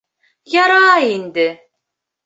Ярай инде.